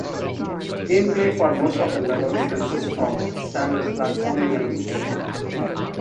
Gameplay for most of the levels consists of standard platforming elements.